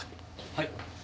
はい。